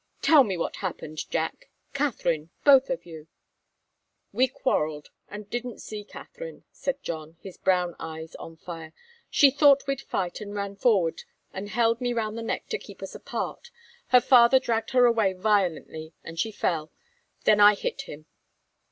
Tell me what happened, Jack Katharine both of you!" "We quarrelled and didn't see Katharine," said John, his brown eyes on fire. "She thought we'd fight, and ran forward and held me round the neck to keep us apart. Her father dragged her away violently and she fell. Then I hit him."